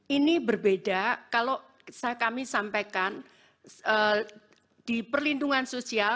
ini berbeda kalau kami sampaikan di perlindungan sosial